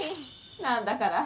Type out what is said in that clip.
なんだから。